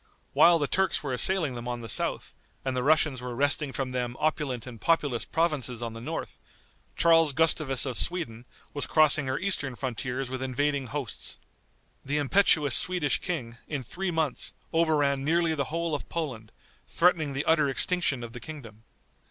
While the Turks were assailing them on the south, and the Russians were wresting from them opulent and populous provinces on the north, Charles Gustavus of Sweden, was crossing her eastern frontiers with invading hosts. The impetuous Swedish king, in three months, overran nearly the whole of Poland, threatening the utter extinction of the kingdom.